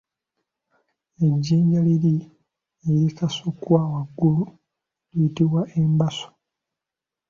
Ejjinja liri erikasukwa waggulu liyitibwa embaso.